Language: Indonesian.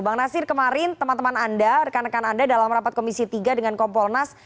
bang nasir kemarin teman teman anda rekan rekan anda dalam rapat komisi tiga dengan kompolnas